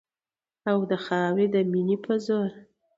او د خاورې د مینې په زور